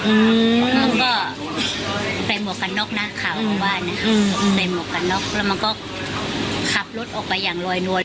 อืมมันก็ใส่หมวกกันนอกหน้าขาวของบ้านอ่ะอืมอืมใส่หมวกกันนอกแล้วมันก็ขับรถออกไปอย่างลอยนวน